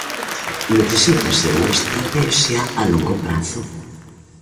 Necesítase unha estratexia a longo prazo.